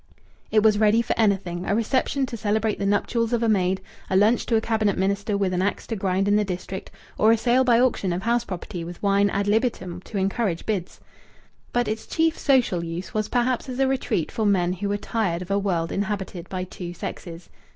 It was ready for anything a reception to celebrate the nuptials of a maid, a lunch to a Cabinet Minister with an axe to grind in the district, or a sale by auction of house property with wine ad libitum to encourage bids. But its chief social use was perhaps as a retreat for men who were tired of a world inhabited by two sexes.